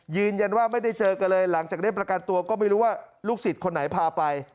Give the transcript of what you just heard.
ยืนยันว่าไม่ได้เจอกันเลยหลังจากได้ประกันตัวก็ไม่รู้ว่าลูกศิษย์คนไหนพาไป